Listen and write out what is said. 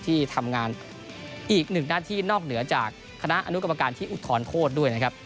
ที่ทำงานอีกหนึ่งหน้าที่นอกเหนือจากคณะอนุกรรมการที่อุทธรณโทษด้วยนะครับ